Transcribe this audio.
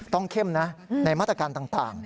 ต้องเข้มในมาตรการต่าง